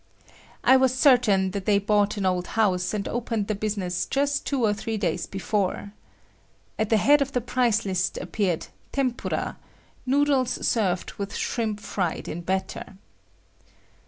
I was certain that they bought an old house and opened the business just two or three days before. At the head of the price list appeared "tempura" (noodles served with shrimp fried in batter).